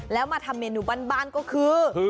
แล้วมาทำเมนูบ้านก็คือ